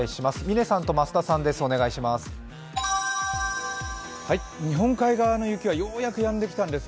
嶺さんと増田さんです。